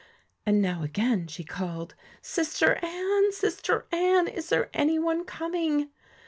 And now again she called :' Sister Anne 1 sister Anne I is there any one coming.'